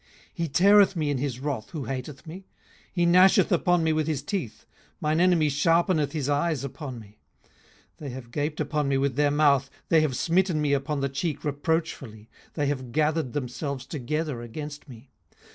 18:016:009 He teareth me in his wrath, who hateth me: he gnasheth upon me with his teeth; mine enemy sharpeneth his eyes upon me. 18:016:010 They have gaped upon me with their mouth; they have smitten me upon the cheek reproachfully; they have gathered themselves together against me.